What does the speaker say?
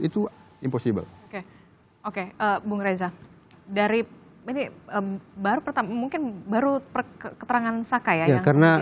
itu imposibel oke oke ibu reza dari pubik baru pertama mungkin baru keterangan sakai ya karena